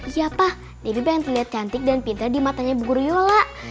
iya pak debbie pengen terlihat cantik dan pintar di matanya ibu guruyola